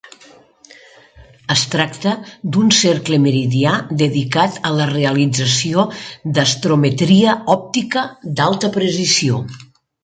Es tracta d'un cercle meridià dedicat a la realització d'astrometria òptica d'alta precisió.